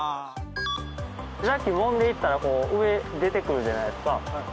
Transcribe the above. ジャッキもんでいったら上出てくるじゃないですか。